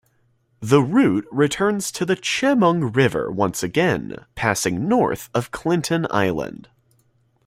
The route returns to the Chemung River once again, passing north of Clinton Island.